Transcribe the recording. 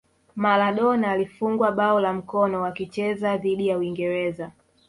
Maladona alifungwa bao la mkono wakicheza dhidi ya uingereza